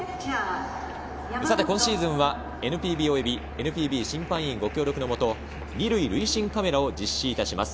今シーズンはＮＰＢ及びＮＰＢ審判員ご協力のもと、２塁塁審カメラを実施します。